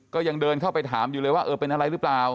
ก็ยังเดินเข้าไปถามอยู่เลยว่าเออเป็นอะไรหรือเปล่า